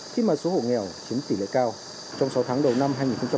khi mà số hộ nghèo chiếm tỷ lệ cao trong sáu tháng đầu năm hai nghìn hai mươi